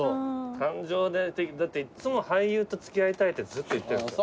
感情だっていっつも俳優と付き合いたいってずっと言ってる。